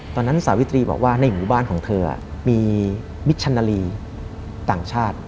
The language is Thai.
สาวิตรีบอกว่าในหมู่บ้านของเธอมีมิชชนาลีต่างชาติ